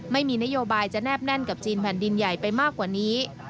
ไม่มีนโยบายจะแนบแน่นกับจีนแผ่นดินใหญ่ไปมากกว่านี้